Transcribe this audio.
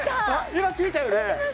今ついたよね